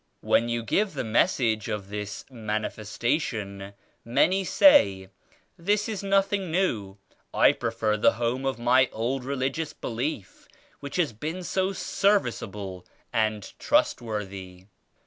"When you give the Message of this Manifes tation many say This is nothing new; — I prefer the home of my old religious belief which has been so serviceable and trustworthy.'